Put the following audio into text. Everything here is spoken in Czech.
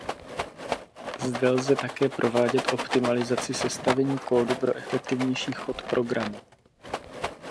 Zde lze také provádět optimalizaci sestavení kódu pro efektivnější chod programu.